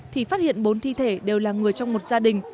thì phát hiện bốn thi thể đều là người trong một gia đình